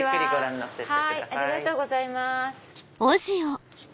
ありがとうございます。